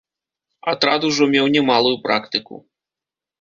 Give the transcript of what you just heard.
Атрад ужо меў немалую практыку.